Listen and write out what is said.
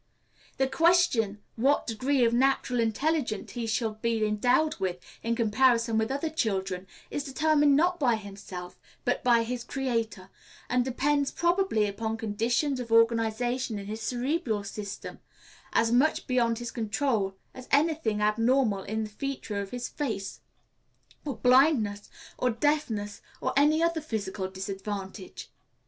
The question what degree of natural intelligence he shall be endowed with, in comparison with other children, is determined, not by himself, but by his Creator, and depends, probably, upon conditions of organization in his cerebral system as much beyond his control as any thing abnormal in the features of his face, or blindness, or deafness, or any other physical disadvantage.